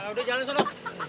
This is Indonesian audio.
udah jalan suruh